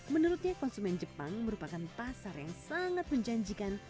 menurutnya konsumen jepang merupakan pasar yang sangat menjanjikan